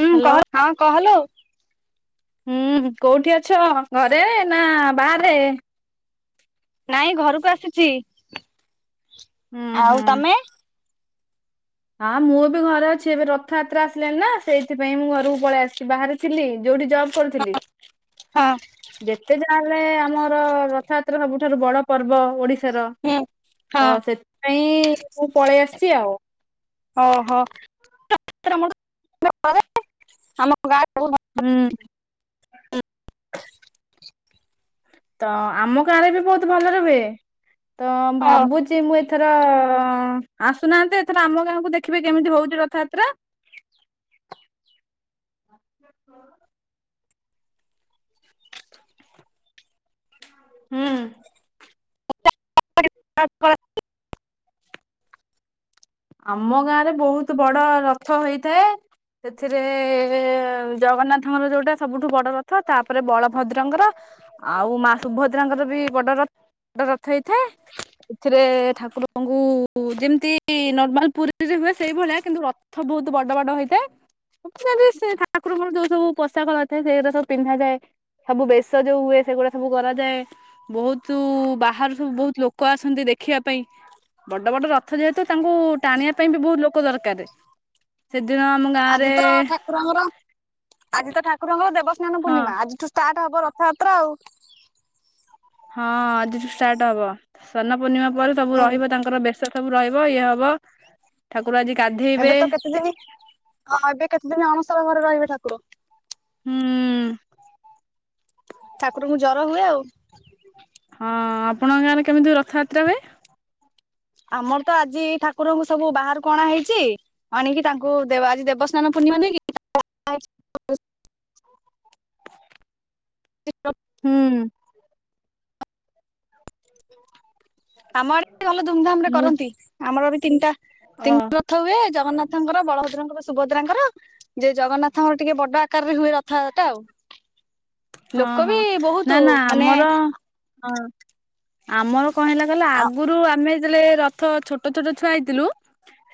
ହୁଁ ହ୍ୟାଲୋ କହ ହଁ କହଲୋ। ହୁଁ କୋଉଠି ଅଛ ଘରେ ନା ବାହାରେ? ନାଇଁ ଘରକୁ ଆସିଛି ହୁଁ ହୁଁ ଆଉ ତମେ? ହଁ ମୁଁ ବି ଘରେ ଅଛି ଏବେ ରଥଯାତ୍ରା ଆସିଲାନି ନା ସେଇଥିପାଇଁ ମୁଁ ଘରକୁ ପଳେଇ ଆସିଛି ବାହାରେ ଥିଲି ଯୋଉଠି ଜବ କରୁଥିଲି। ହଁ। ଯେତେ ଯାହା ହେଲେ ଆମର ରଥଯାତ୍ରା ସବୁଠାରୁ ବଡ ପର୍ବ ଓଡିଶା ଥର ହୁଁ ହଁ ତ ସେଥିପାଇଁ ମୁଁ ପଳେଇ ଆସିଛି ଆଉ। ଓହୋ [unintelligible] ହୁଁ। ତ ଆମଗାଁରେ ବି ବହୁତ୍ ଭଲରେହୁଏ ତ ଭାବୁଚି ମୁଁ ଏଥ ଏଥର ଆସୁନାହାନ୍ତି ଏଥର ଆମଗାଁକୁ ଦେଖିବେ କେମିତି ହଉଚି ରଥଯାତ୍ରା। ହୁଁ। [unintelligible] ଆମଗାଁରେ ବହୁତ୍ ବଡରଥ ହୋଇଥାଏ। ସେଥିରେ ଜଗନ୍ନାଥଙ୍କର ଯୋଉଟା ସବୁଠୁବଡରଥ ତାପରେ ବଳଭଦ୍ରଙ୍କର ଆଉ ମା ସୁଭଦ୍ରାଙ୍କର ବି ବଡରଥ ବଡ ରଥ ହେଇଥାଏ। ଏଥିରେ ଠାକୁରଙ୍କୁ ଯେମିତି ନଅ ନହେଲେ ପୁରୀରେ ହୁଏ ସେଇଭଳିଆ କିନ୍ତୁ ରଥ ବହୁତ୍ ବଡ ବଡ ହେଇଥାଏ। ସେ ଠାକୁରଙ୍କର ଯୋଉ ସବୁ ପୋଷାକ ନଥାଏ ସେଇଗୁଡ଼ା ସବୁ ପିନ୍ଧାଯାଏ। ସବୁବେଶ ଯୋଉ ହୁଏ ସେଗୁଡା ସବୁ କରାଯାଏ। ବହୁତ୍ ବାହାରୁ ସବୁ ବହୁତ୍ ଲୋକ ଆସନ୍ତି ଦେଖିବା ପାଇଁ। ବଡ ବଡ ରଥ ଯେହେତୁ ତାଙ୍କୁ ଟାଣିବା ପାଇଁ ବି ବହୁତ୍ ଲୋକ ଦର୍କାରେ। ସେ ଦିନ। ଆଜିତ ଠାକୁରଙ୍କର ଆଜି ତ ଠାକୁରଙ୍କର ଦେବସ୍ନାନ ହଁ ପୂର୍ଣ୍ଣିମା ଆଜିଠୁ ଷ୍ଟ ଷ୍ଟାର୍ଟ ହବ ରଥଯାତ୍ରା ଆଉ। ହଁ ଆଜିଠୁ ଷ୍ଟାର୍ଟହବ ଶ୍ନାନ ର୍ପୂର୍ଣ୍ଣିମା ପରେ ସବୁ ଉଁ ରହିବ ତାଙ୍କର ବେସ୍ତ ସେ ସବୁ ରହିବ ଇଏ ହବ। ଠାକୁର ଆଜି ଗାଧେଇ ଏବେ ତ କେତେ ଦିନି ହଁ ଏବେ କେତେ ଦିନି ଅଣସର ଘରେ ରହିବେ ଠାକୁର। ହୁଁ। ଠାକୁରଙ୍କୁ ଜର ହୁଏ ଆଉ। ହଁ ଆପଣଙ୍କ ଗାଁରେ କେମିତି ରଥଯାତ୍ରା ହୁଏ। ଆମର ତ ଆଜି ଏଇ ଠାକୁରଙ୍କୁ ସବୁ ବାହାରକୁ ଅଣା ହେଇଛି। ଆଣିକି ତାଙ୍କୁ ଦେବା ଆଜି ଦେବସ୍ନାନ ପୂର୍ଣ୍ଣିମା ନୁହେଁକି। [inaudible] ହୁଁ। [unintelligible] ଆମ ଆଡେ ବି ଭଲ ଧୁମ୍ ଧାମ୍ ରେ ମୁଁ କରନ୍ତି ଆମର ବି ତିନିଟା ଅ ତିନି ରଥ ହୁଏ ଜଗନ୍ନାଥ। ଜଗନ୍ନାଥଙ୍କର ବଳଭଦ୍ରଙ୍କର ସୁଭଦ୍ରାଙ୍କର ଯେ ଜଗନ୍ନାଥଙ୍କର ଟିକେ ବଡ ଆକାରରେ ହୁଏ ରଥ ଟା ଆଉ। [unintelligible] ହଁ ଲୋକ ହଁ ବି ବହୁତ ନାନା ମାନେ ଆମର। ହଁ ଆମର କଣ ହେଲା କହିଲ ହୁଁ ଆଗରୁ ଆମେ ଯେତେବେଳେ ରଥ ଛୋଟ୍। ଛୋଟଛୋଟ ଛୁଆ ହେଇଥିଲୁ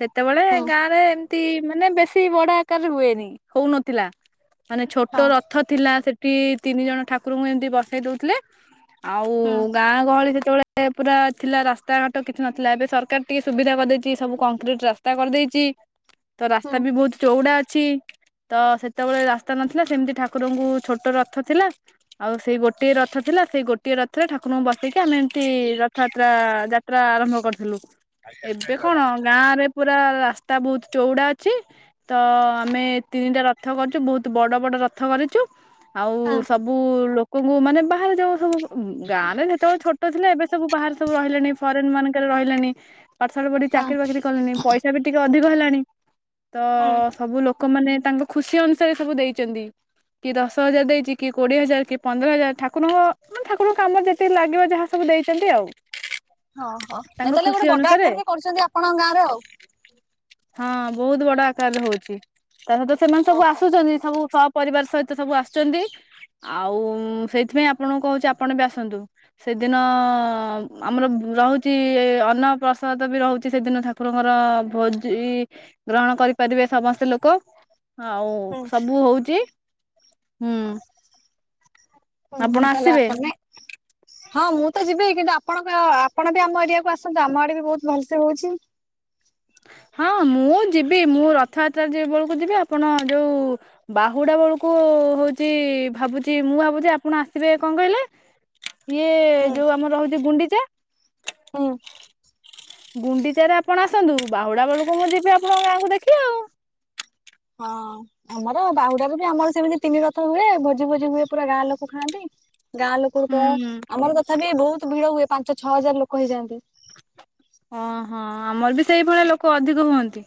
ସେତେବେଳେ ଗାଁ ରେ। ଏମତି ମାନେ ବେଶୀ ବଡାଆକାରରେ ହୁଏନି ହଉନଥିଲା ମାନେ ଛୋଟ ହଁ ରଥ। ଥିଲା ସେଠି ତିନିଜଣ ଠାକୁରଙ୍କୁ ଏମତି ବସେଇ ଦଉଥିଲେ ଆଉ ହୁଁ ଗାଁ। ଗହଳି ସେତେବେଳେ ପୁରା ଥିଲା ରାସ୍ତାଘାଟ କିଛି ନଥିଲା ଏବେ ସରକାର ଟିକେ ସୁବିଧା କରିଦେଇଛି ସବୁ କଂକ୍ରିଟ୍ ରାସ୍ତା। କରିଦେଇଛି ତ ହୁଁ ରାସ୍ତା ବି ବହୁତ୍। ଚଉଡା ଅଛି ତ ସେତେବେଳେ ରାସ୍ତା ନଥିଲା ସେମିତି ଠାକୁରଙ୍କୁ ଛୋଟ ରଥ ଥିଲା। ଆଉ ସେଇ ଗୋଟିଏ ରଥ ଥିଲା ସେଇ ଗୋଟିଏ ରଥ ରେ ଠାକୁରଙ୍କୁ ବସେଇକି ଆମେ ଏମିତି ରଥଯାତ୍ରା ଯା। ତ୍ରା ଆରମ୍ଭ କରିଥିଲୁ ଏବେ କଣ ଗାଁରେ। ପୁରା ରାସ୍ତା ବହୁତ୍ ଚଉଡା ଅଛି। ତ ଆମେ ତିନିଟା ରଥ କରିଛୁ ବହୁତ୍ ବଡ଼ ବଡ଼ ରଥ କରିଛୁ। ଆଉ ହଁ ସବୁ ଲୋକଙ୍କୁ ମାନେ ବାହାରେ ଯୋଉ ସବୁ। ଗାଁ ରେ ଯେତେବେଳେ ଛୋଟ ଥିଲା ଏବେ ସବୁ ବାହାରେ ସବୁ ରହିଲାଣି ଫରେନ ମାନଙ୍କରେ ରହିଲେଣି। ପାଠଶାଠ ପଢ଼ିକି ହଁ ଚାକିରି ବାକିରି କଲେଣି ପଇସା ବି ଟିକେ ଅଧିକ ହେଲାଣି ତ ହୁଁ ସବୁଲୋକ। ଲୋକମାନେ ତାଙ୍କ ଖୁସି ଅନୁସାରେ ସବୁ ଦେଇଛନ୍ତି କି ଦଶ ଶ ହଜାର ଦେଇଛି କିଏ କୋଡ଼ିଏ ହଜାର କିଏ ପନ୍ଦର ହଜାର ଠାକୁରଙ୍କ ମାନେ ଠାକୁରଙ୍କ କାମରେ ଯେତିକି ଲାଗିବ ଯାହା ସବୁ ଦେଇଛନ୍ତି ଆଉ। ନାଇ ତାଙ୍କ ତାହେଲେ ଖୁସି ଗୋଟେ ବଡ଼ ଅନୁସାରେ ଆକାର ରେ କରୁଛନ୍ତି ଆପଣଙ୍କ ଗାଁ ରେ ଆଉ। ହଁ ବହୁତ୍ ବଡ ଆକାର ରେ ହଉଛି ତା ସହିତ ସେମାନେ ସବୁ ଓହୋ ଆସୁଛନ୍ତି ସବୁ ସ ପ ପରିବାର ସହିତ ସବୁ ଆସୁଛନ୍ତି ଆଉ ସେଇଥିପାଇଁ ଆପଣଙ୍କୁ କହୁଛି ଆପଣ ବି ଆସନ୍ତୁ। ସେଦିନ ଆମର ରହୁଛି ଅନ୍ନପ୍ରସାଦ ବି ରହୁଛି ସେଦିନ ଠାକୁ ରଙ୍କର ଭୋଜି। ଗ୍ରହଣ କରି ପାରିବେ ସମସ୍ତେ ଲୋକ ଆଉ ହୁଁ ସବୁ ହଉଛି। ହୁଁ। ଓୋ ଆପଣ ତାହେଲେ ଆସିବେ ଆପ। [unintelligible] ହଁ ମୁଁ ତ ଯିବି, କିନ୍ତୁ ଆପଣଙ୍କ ଆପଣ ବି ଆମ ଏରିଆକୁ ଆସନ୍ତୁ, ଆମ ଆଡେ ବି ବହୁତ ଭଲସେ ହଉଛି। ହଁ ମୁଁ ଯିବି, ମୁଁ ରଥଯାତ୍ରା ଯେ ବେଳକୁ ଯିବି ଆପଣ ଯୋଉ ବାହୁଡା ବେଳକୁ ହଉଛି, ଭାବୁଛି, ମୁଁ ଭାବୁଛି ଆପଣ ଆସିବେ କଣ କହିଲେ ଇଏ ହୁଁ ଯୋଉ ଆମର ରହୁଛି ଗୁଣ୍ଡିଚା! ହୁଁ। ଗୁଣ୍ଡିଚ ରେ ଆପଣ ଆସନ୍ତୁ। ବାହୁଡା ବେଳକୁ ମୁଁ ଯିବି ଆପଣଙ୍କ ଗାଁଙ୍କୁ ଦେଖିବି ଆଉ। ହଁ। ଆମର ବାହୁଡାରେ ବି ଆମର ସେମିତି ତିନି ରଥ ହୁଏ, ଭୋଜି ଭୋଜି ହୁଏ ପୁରା ଗାଁ ଲୋକ ଖାଆନ୍ତି୍। ଗାଁ ଲୋକ କୁ ହୁଁ ତ, ହୁଁ। ଆମର ଦେଖାଯାଏ ବହୁତ ଭିଡ ହୁଏ, ପାଞ୍ଚ ଛଅ ହଜାର ଲୋକ ହେଇଯାଆନ୍ତି। ଓହଁ, ଆମର ବି ସେଇଭଳିଆ ଲୋକ ଅଧିକ ହୁଅନ୍ତି।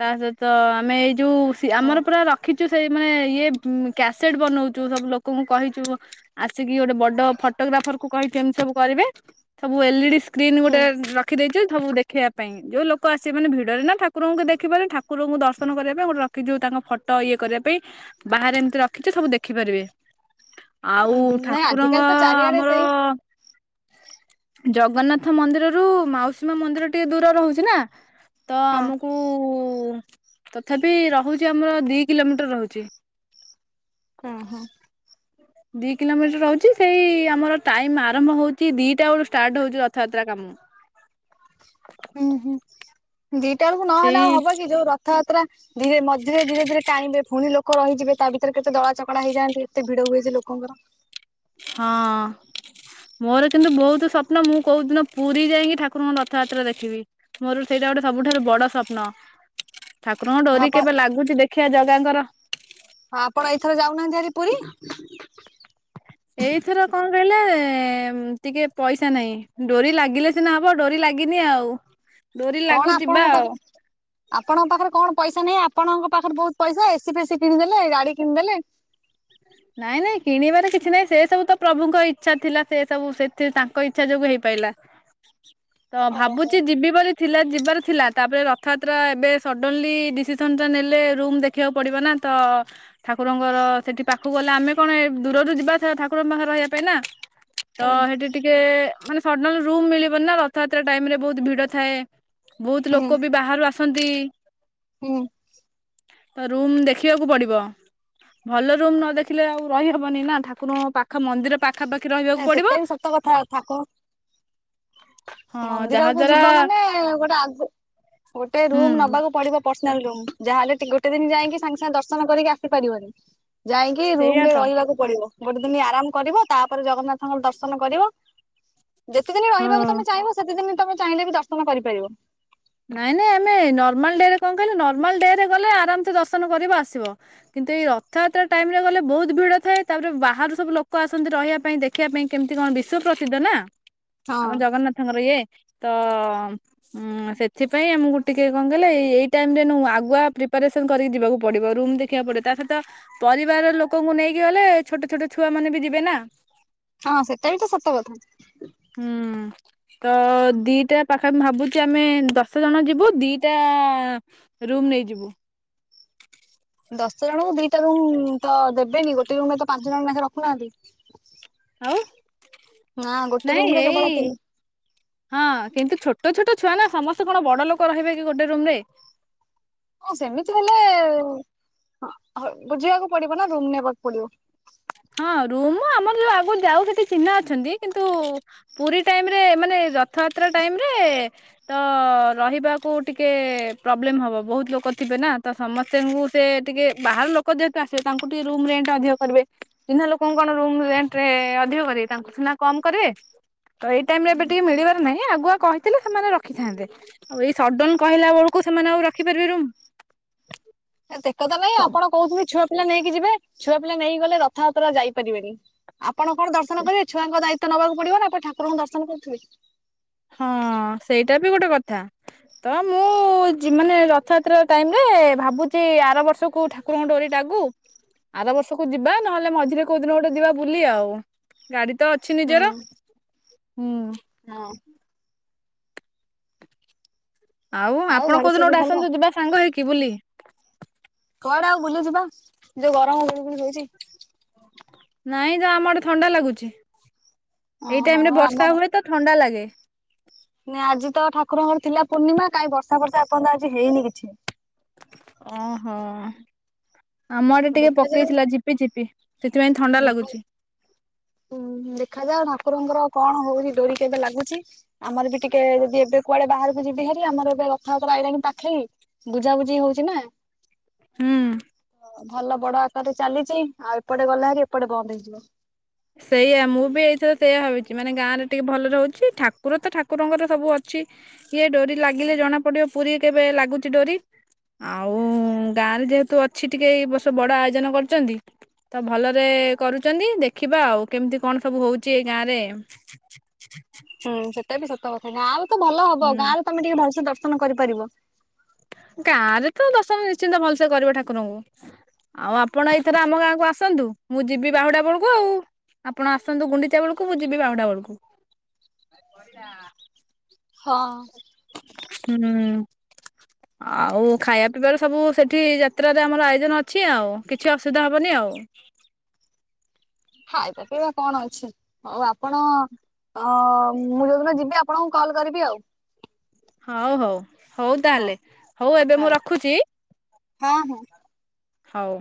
ତା ସହିତ ଆମେ ଏଇ ଯୋଉ ଆମର ପୁରା ର ରଖିଛୁ, ସେଇ ମାନେ ଇଏ କ୍ୟାସେଟ ବନଉଛୁ, ସବୁ ଲୋକଙ୍କୁ କହିଛୁ ଆସିକି ଗୋଟେ ବଡ ଫଟୋଗ୍ରାଫର କୁ କହିଛନ୍ତି ସବୁ କରିବେ, ସବୁ ଏଲଇଡି ସ୍କ୍ରନ୍ ଗୋଟେ ରଖ ଛି, ସବୁ ଦେଖିବା ପାଇଁ, ଯୋଉ ଲୋକ ଆସିବେ ନା ଭିଡରେ ନା ଠାକୁରଙ୍କୁ କିଏ ଦେଖିିପାରି ଠାକୁରଙ୍କୁ ଦର୍ଶନ କରିବା ପାଇଁ ଗୋଟେ ରଖ କି ଯୋଉ ତାଙ୍କ ଫଟୋ ଇଏ କରିବା ପାଇଁ, ବାହାରେ ଏମିତି ରଖିଛୁ, ସବୁ ଦେଖିପାରିବେ। ଆଉ ହୁଁ ନାଇଁ ଠାକୁରଙ୍କର ଆଜିକାଲି ତ ଚାରିଆଡେ ଆମର ସେଇ ଜଗନ୍ନାଥ ମନ୍ଦିରରୁ, ମାଉସୀମା ମନ୍ଦିର ଟିକେ ଦୂର ରହୁଛି ନା, ତ ହଁ ଆମକୁ କୁ, ତଥାପି ରହୁଛି ଆମର ଦି କିଲୋମିଟର ରହୁଛି। ହଁ ହଁ। ଦି କିଲୋମିଟର ରହୁଛି, ସେଇ ଆମର ଟାଇମ ଆରମ୍ଭ ହଉଛି, ଦିଟା ବେଳୁ ଷ୍ଟାର୍ଟ ହଉଛି ରଥଯାତ୍ରା କାମ। ହୁଁ, ହୁଁ ଦିଟା ବେଳକୁ ନହେଲେ ସେଇ ଆଉ ହବ କି! ଯୋଉ ରଥ ରଥାଯାତ୍ରା, ଧୀରେ ମଝିରେ ଧୀରେ ଧୀରେ ଟାଣିବେ ପୁଣି ଲୋକ ଲୋକ ରହିଯିବେ, ତା ଭିତରେ କେତେ ଦଳା ଚକଟା ହେଇଯାନ୍ତି, ଏତ ଭିଡ ହୁଏ ଯେ ଲୋକଙ୍କର। ହଁ। ମୋର କିନ୍ତୁ ବହୁତ ସ୍ୱପ୍ନ, ମୁଁ କୋଉ ଦିନ ପୁରୀ ଯାଇକି ଠାକୁରଙ୍କୁ ରଥଯାତ୍ରା ଦେଖିବି। ମୋର ସେଇଟା ଗୋଟେ ସବୁଠାରୁ ବଡ ସ୍ୱପ୍ନ। [unintelligible] [inaudible] ଠାକୁରଙ୍କ ଡୋରି ଆପଣ କେବେ ଲାଗୁଛି? ଦେଖିବା ଜାଗାଙ୍କର। ହ ଆପଣ ଏଇଥର ଯାଉନାହାନ୍ତି ଆରି ପୁରୀ ଏଇଥର କଣ କହିଲେ ଟିକେ, ପଇସା ନାହିଁ ଡୋରି ଲାଗିଲେ ସିନା ହବ, ଡୋରି ଲାଗିନି ଆଉ। ଡୋରି କଣ ଲାଗୁ ଆପଣଙ୍କ ଯିବା ଆଉ। ପାଖରେ ଆପଣଙ୍କ ପାଖରେ କଣ ପଇସା ନାହିଁ, ଆପଣଙ୍କ ପାଖରେ ବହୁତ ପଇସା ଏସି ଫେସିି କିଣିଦେଲେ, ଗାଡି କିଣିଦେଲେ ନାଇଁ ନାଇଁ କିଣିବାର କିଛି ନାଇଁ, ସେ ସବୁ ତ ପ୍ରଭୁଙ୍କ ଇଚ୍ଛା ଥିଲା ସେ ସବୁ ସେଥି ତାଙ୍କ ତାଙ୍କ ଇଚ୍ଛା ଯୋଗୁ ହେଇ ପାଇଲା। [inaudible] [inaudible] ତ ଭାବୁଛି ଯିବି ବୋଲି। ଥିଲା, ଯିବାର ଥିଲା ତାପରେ ରଥଯାତ୍ରା ଏବେ ସଡ଼ନଲି ଡିଭିଜନ୍ ଟା ନେଲେ ରୁମ୍ ଦେଖିବାକୁ ପଡ଼ିବ ନା। ତ ଠାକୁରଙ୍କର ସେଠି ପାଖକୁ ଗଲେ ଆମେ କଣ ଦୂରରୁ ଯିବା ଠାକୁରଙ୍କ ପାଖରେ ରହିବା ପାଇଁ ନା, ତ ହୁଁ ସେଠି ଟିକେ ମାନେ ସଡ୍ଲି ରୁମ ମିଳିବନି ନା, ରଥଯାତ୍ରା ଟାଇମରେ ବହୁତ ଭିଡ ଥାଏ। ବହୁତ ହୁଁ ଲୋକ ବି ବାହାରୁ ଆସ ଅଛନ୍ତି। ହୁଁ। ତ ରୁମ୍ ଦେଖିବାକୁ ପଡିବ ଭଲ ରୁମ୍ ନ ଦେଖିଲେ ଆଉ ରହି ହବନି ନା, ଠାକୁରଙ୍କ ପାଖ ମନ୍ଦିରେ ପାଖାପାଖି ରହି ନା ସେଟା ବି ସତ କଥା ଠାକୁରଙ୍କ ହଁ ଯାହା ମନ୍ଦିରକୁ ଦ୍ଵାରା ଯିବ ମାନେ ଗୋଟେ ଆଗୁ ଗୋଟେ ହୁଁ ରୁମ୍ ନବାକୁ ପଡିବ। ପର୍ସନାଲ୍ ରୁମ୍, ଯାହେଲେ ଟିକ୍ ଗୋଟେ ଦିନ ଯାଇକି ସାଙ୍ଗେ ସାଙ୍ଗେ ଦର୍ଶନ କରିକି ଆସିପାରିବନି। ଯାଇକି ସେଇଆ ରୁମରେ ତ ରହିବାକୁ ପଡିବ, ଗୋଟେ ଦିନ ଆରାମ କରିବ ତା ପରେ ଜଗନ୍ନାଥଙ୍କର ଦର୍ଶନ କରିବ, ଯେତେ ଦିନ ହଁ ରହିବାକୁ ତମେ ଚାହିଁବ ସେତେ ଦିନ ତମେ ଚାହିଁଲେ ବି ଦର୍ଶନ କରିପାରିବ। ନାଇଁ-ନାଇଁ ଆମେ ନର୍ମାଲ ଡେରେ କଣ କହିଲ ନର୍ମାଲ ଡେରେ ଗଲେ ଆରାମସେ ଦର୍ଶନ କରିବ ଆସିବ। କିନ୍ତୁ ଏଇ ରଥଯାତ୍ରା ଟାଇମରେ ଗଲେ ବହୁତ ଭିଡ ଥାଏ ତାପରେ ବାହାରୁ ସବୁ ଲୋକ ଆସନ୍ତି ରହିବା ପାଇଁ ଦେ ଦେଖିବା ପାଇଁ କେମିତି କଣ ବିଶ୍ୱ ପ୍ରସିଦ୍ଧ ନା? ହଁ ଆମ ଜଗନ୍ନାଥଙ୍କର ଇଏ ତ-ଅ-ଅ-କ ଉଁ-ଉଁ-ଉଁ ସେ ସେଥିପାଇଁ ଆମକୁ ଟିକେ କଣ କହିଲେ ଏଇ ଏଇ ଟାଇମରେ ନୁଁ ଆଗୁଆ ପ୍ରିପ୍ୟାରେସନ କରିକି ଯିବାକୁ ପଡିବ ରୁମ୍ ଦେଖିବାକୁ ପଡିବ ତା ସହିତ ପରିବାର ଲୋକଙ୍କୁ ନେଇକି ଗଲେ ଛୋଟ ଛୋଟ ଛୁଆ ମାନେ ବି ଯିବେ ନା। ହଁ ସେଟା ବି ତ ସତ କଥା। ହୁଁ। ତ-ଅ-ଅ ଦିଟା ପାଖା ଭାବୁଛୁ ଆମେ ଦଶ ଜଣ ଯିବୁ ଦିଟା ରୁମ୍ ନେଇଯିବୁ। ଦଶ ଜଣଙ୍କୁ ଦିଟା ରୁମ୍-ଉ-ଉ ତ ଦେବେନି ଗୋଟେ ରୁମରେ ତ ପାଞ୍ଚ ଜଣ ନେଖା ରଖୁନାହାନ୍ତି। ଆଉ, ନା ଗୋଟେ ରୁମ ନାଇଁ ରେ କେବଳ ଏଇ ତିନି ହଁ କିନ୍ତୁ ଛୋଟ ଛୋଟ ଛୁଆ ନା ସମସ୍ତେ କଣ ବଡ ଲୋକ ରହିବେ କି ଗୋଟେ ରୁମରେ? ହଁ ସେମିତି ହେଲେ ବୁଝିବାକୁ ପଡିବ ନା ରୁମ୍ ନେବାକୁ ପଡିବ। ହଁ ରୁମ ଆମର ଯୋଉ ଆଗରୁ ଯାଉ ସେଠି ଚିହ୍ନା ଅଛନ୍ତି କିନ୍ତୁ ପୁରୀ ଟାଇମରେ ମାନେ ରଥଯାତ୍ରା ଟାଇମରେ ତ-ଅ-ଅ ରହିବାକୁ ଟିକେ ପ୍ରୋବ୍ଲେମ ହବ ବହୁତ ଲୋକ ଥିବେ ନା ତ ସମସ୍ତଙ୍କୁ ସେ ଟିକେ ବାହାର ଲୋକ ଯେହେତୁ ଆସିବେ ତାଙ୍କୁ ଟିକେ ରୁମ ରେଣ୍ଟ ଅଧିକ କରିବେ। ଚିହ୍ନା ଲୋକଙ୍କୁ କଣ ରୁମ୍ ରେଣ୍ଟ-ଏ-ଏ ଅଧିକ କରିବେ ତାଙ୍କୁ ସିନା କମ୍ କରିବେ। ତ ଏଇ ଟାଇମରେ ଏବେ ଟିକେ ମିଳିବାର ନାହିଁ ଆଗୁଆ କହିଥିଲେ ସେମାନେ ରଖିଥାନ୍ତେ। ଆଉ ଏଇ ସଡନ କହିଲା ବେଳକୁ ସେମାନେ ଆଉ ରଖିପାରିବେ ରୁମ୍? ଏ ତେକଥା ନାଇଁ ଆପଣ କହୁଛନ୍ତି ଛୁଆପିଲା ନେଇକି ଯିବେ ଛୁଆପିଲା ନେଇକି ଗଲେ ରଥଯାତ୍ରା ଯାଇପାରିବେନି। ଆପଣ କଣ ଦର୍ଶନ କରିବେ, ଛୁଆଙ୍କ ଦାୟିତ୍ୱ ନବାକୁ ପଡିବ ନା, ଆପଣ ଠାକୁରଙ୍କୁ ଦର୍ଶନ କରୁଥିବେ। ହଁ-ଅ-ଅ ସେଇଟା ବି ଗୋଟେ କଥା। ତ ମୁଁ-ଉ-ଉ-ଉ ଯିମ୍ ମାନେ ରଥଯାତ୍ରା ଟାଇମ୍ ରେ ଭାବୁଛି-ଇ ଆର ବର୍ଷକୁ ଠା କୁରଙ୍କ ଡୋରି ଲାଗୁ। ଆର ବର୍ଷକୁ ଯିବା ନହେଲେ ମଝିରେ କୋଉ ଦିନ ଗୋଟେ ଯିବା ବୁଲି ଆଉ, ଗାଡି ତ ଅଛି ହୁଁ ନିଜର ହୁଁ। ହଁ। ଆଉ ଆପଣ ଘରେ କୋଉ ଦିନ ସବୁ ଗୋଟେ ଭଲ ଆସନ୍ତୁ ଯିବା ସାଙ୍ଗ ହେଇକି ବୁଲି? କୁଆଡେ ଆଉ ବୁଲି ଯିବା ଯୋଉ ଗରମ ଗୁଳୁଗୁଳି ହୋଉଚି। ନାଇଁ ତ ଆମ ଆଡେ ଥଣ୍ଡା ଲାଗୁଛି, ଏଇ ଓହୋ ଟାଇମ୍ ରେ ବର୍ଷା ହୁଏ ତ ଥଣ୍ଡା ଲାଗେ। ନାଇଁ ଆଜି ତ ଠାକୁରଙ୍କର ଥିଲା ପୂର୍ଣ୍ଣିମା କାହିଁ ବର୍ଷା ବର୍ଷା ଏପର୍ଯ୍ୟନ୍ତ ତ ଆଜି ହେଇନି କିଛି। ଓହୋଃ, ଆମ ଆଡେ ଟିକେ ପକେଇଥିଲା ଝିପିଝିପି ସେଥିପାଇଁ ଥନ୍ ଦେଖ [inaudible] ଉଁ-ଉଁ-ଉଁ ଦେଖାଯାଉ ଠାକୁରଙ୍କର କଣ ହଉଚି ଡୋରି କେବେ ଲାଗୁଚି। ଆମର ବି ଟିକେ ଯଦି ଏବେ କୁଆଡେ ବାହାରକୁ ଯିବି ହାରି ଆମର ଏବେ ରଥଯାତ୍ରା ଆଇଲାଣି ପାଖେଇ। ବୁଝାବୁଝି ହଉଚି ନା। ହୁଁ। ଭଲ ବଡ ଆକାରରେ ଚାଲିଚି ଆଉ ଏପଟେ ଗଲା ହାରି ଏପଟେ ବନ୍ଦ ହେଇଯିବ। ସେଇଆ ମୁଁ ବି ଏଇଥର ସେଇଆ ଭାବିଛି ମାନେ ଗାଁରେ ଟିକେ ଭଲରେ ହୋଉଚି ଠାକୁର ତ ଠାକୁରଙ୍କର ସବୁ ଅଛି। ସିଏ ଡୋରି ଲାଗିଲେ ଜଣା ପଡିବ ପୁରୀ କେବେ ଲାଗୁଚି ଡୋରି। ଆଉ ଗାଁରେ ଯେହେତୁ ଅଛି ଟିକେ ଏଇ ବର୍ଷ ବଡ ଆୟୋଜନ କରିଚନ୍ତି। ତ ଭଲରେ କରୁଚନ୍ତି ଦେଖ ଦେଖିବା ଆଉ କେମିତି କଣ ସବୁ ହୋଉଚି ଏଇ ଗାଁ ରେ। ହୁଁ ସେଟା ବି ସତ କଥା ଗାଁ ର ତ ଭଲ ହବ ହୁଁ ଗାଁରେ ତମେ ଟିକେ ଭଲସେ ଦର୍ଶନ କରିପାରିବ। ଗାଁ ରେ ତ ଦର୍ଶନ ନିଶ୍ଚିନ୍ତ ଭଲସେ କରିବ ଠାକୁରଙ୍କୁ। ଆଉ ଆପଣ ଏଇଥର ଆମ ଗାଁକୁ ଆସନ୍ତୁ, ମୁଁ ଯିବି ବାହୁଡା ବେଳୁକୁ ଆଉ। ଆପଣ ଆସନ୍ତୁ ଗୁଣ୍ଡିଚା ବେଳୁକୁ ମୁ ଯିବି ବାହୁଡା ବେଳୁକୁ। ହଁ ହୁଁ ହଁଁ [unintelligible] ଆଉ ଖାଇବା ପିଇବାର ସବୁ ସେଠି ଯାତ୍ରାରେ ଆମର ଆୟୋଜନ ଅଛି ଆଉ। କିଛି ଅସୁବିଧା ହେବନି ଆଉ। ଖାଇବା ପିଇବା କଣ ଅଛି ଆଉ ଆପଣ ଅ ମୁଁ ଯୋଉଦିନ ଯିବି ଆପଣଙ୍କୁ କଲ୍ କରିବି ଆଉ। ହୋଉ ହୋଉ ହୋଉ ହଉ ତାହେଲେ ହୋଉ ଏବେ ହଉ ମୁଁ ରଖୁଚି। ହଁ ହଁ। ହୋଉ।